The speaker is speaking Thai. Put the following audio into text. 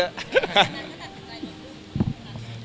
นั่นก็ตัดสินใจลบรูปดีกว่า